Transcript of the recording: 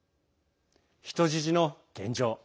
人質の現状